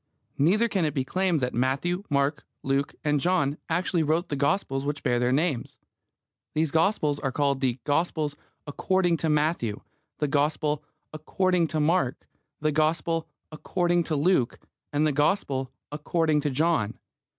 Neither can it be claimed that Matthew, Mark, Luke and John actually wrote the Gospels which bear their names. These Gospels are called the Gospel "according to Matthew," the Gospel "according to Mark," the Gospel "according to Luke," and the Gospel "according to John."